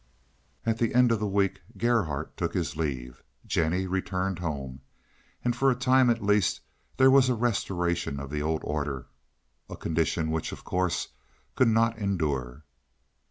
At the end of the week Gerhardt took his leave, Jennie returned home, and for a time at least there was a restoration of the old order, a condition which, of course, could not endure.